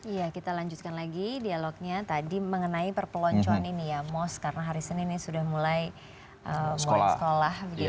iya kita lanjutkan lagi dialognya tadi mengenai perpeloncoan ini ya mos karena hari senin ini sudah mulai sekolah